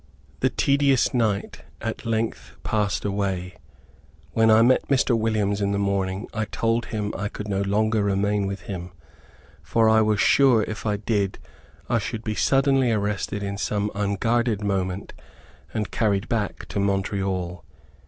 The tedious night at length passed away. When I met Mr. Williams in the morning, I told him I could no longer remain with him, for I was sure if I did, I should be suddenly arrested in some unguarded moment, and carried back to Montreal.